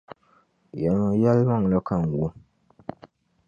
Yεlimi yεlimaŋli ka n wum.